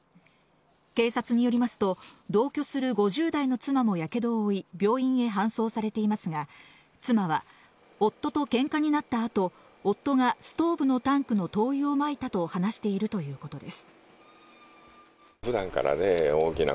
警察によりますと、同居する５０代の妻もやけどを負い、病院へ搬送されていますが、妻は、夫とケンカになった後、夫がストーブのタンクの灯油をまいたと話しているということです。